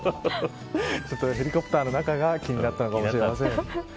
ヘリコプターの中が気になったのかもしれません。